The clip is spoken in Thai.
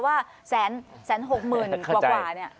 ว่าแสนหกหมื่นกว่ากว่าเนี่ยก็ถูกด้วยนี่